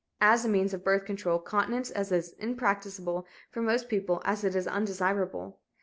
As a means of birth control, continence is as impracticable for most people as it is undesirable.